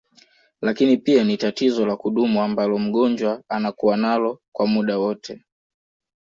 Lakini pia ni tatizo la kudumu ambalo mgonjwa anakua nalo kwa muda wote